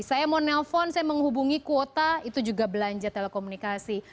saya mau nelpon saya menghubungi kuota itu juga belanja telekomunikasi